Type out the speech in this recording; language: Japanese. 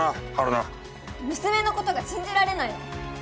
娘のことが信じられないの？